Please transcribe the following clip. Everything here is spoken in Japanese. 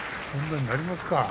そうなりますか。